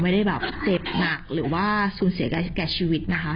ไม่ได้เหตุหนักหรือว่าสูญเสร็จใกล้ชีวิตนะครับ